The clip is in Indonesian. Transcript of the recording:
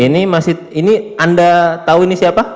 ini masih ini anda tahu ini siapa